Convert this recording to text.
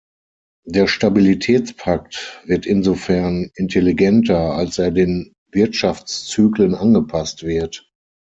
Der Stabilitätspakt wird insofern intelligenter, als er den Wirtschaftszyklen angepasst wird.